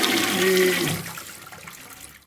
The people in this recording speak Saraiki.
ٻ